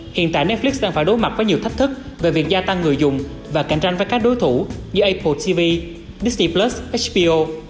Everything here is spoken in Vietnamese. hiện tại netflix đang phải đối mặt với nhiều thách thức về việc gia tăng người dùng và cạnh tranh với các đối thủ như apple tv disney hbo